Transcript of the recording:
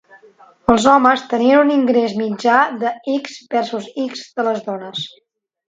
Els homes tenien un ingrés mitjà de X versus X de les dones.